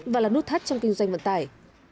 và là nút thắt trong kinh doanh vận tải